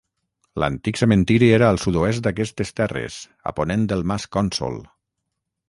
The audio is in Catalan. L'antic cementiri era al sud-oest d'aquestes restes, a ponent del Mas Cònsol.